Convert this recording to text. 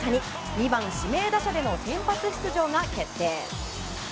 ２番指名打者での先発出場が決定。